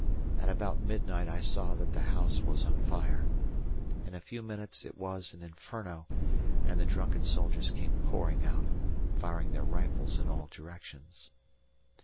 At about midnight I saw that the house was on fire. In a few minutes it was an inferno and the drunken soldiers came pouring out, firing their rifles in all directions.